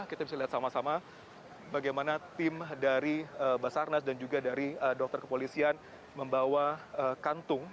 kita bisa lihat sama sama bagaimana tim dari basarnas dan juga dari dokter kepolisian membawa kantung